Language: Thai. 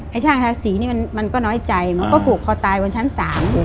ไอ้ช่างทาสีนี่มันก็น้อยใจก็ผูกคอตายบนชั้นสาม